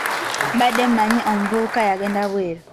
Mbadde mmanyi omuvubuka yagende bweru.